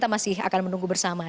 masih akan menunggu bersama